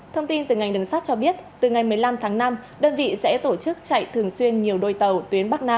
thông tin từ ngành đường sắt cho biết từ ngày một mươi năm tháng năm đơn vị sẽ tổ chức chạy thường xuyên nhiều đôi tàu tuyến bắc nam